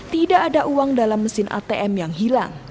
tidak ada uang dalam mesin atm yang hilang